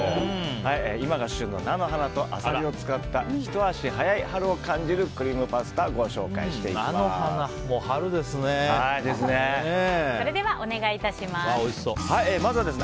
今が旬の菜の花とアサリを使ったひと足早い春を感じるクリームパスタ菜の花、春ですね。